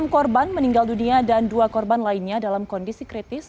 enam korban meninggal dunia dan dua korban lainnya dalam kondisi kritis